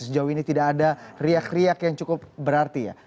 sejauh ini tidak ada riak riak yang cukup berarti ya